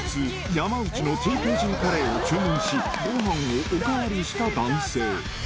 山内のＴＫＧカレーを注文し、ごはんをお代わりした男性。